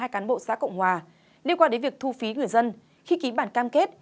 hai cán bộ xã cộng hòa liên quan đến việc thu phí người dân khi ký bản cam kết